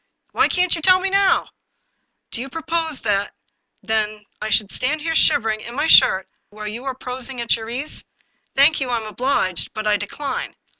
" Why can't you tell me now ?"" Do you propose, then, that I should stand here shiver ing in my shirt while you are prosing at your ease ? Thank you; I am obliged, but I decline.